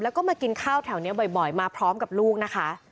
แล้วก็มากินข้าวแถวนี้บ่อยมาพร้อมกับลูกนะคะ